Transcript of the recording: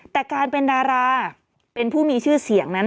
แต่การเป็นดาราเป็นผู้มีชื่อเสียงนั้น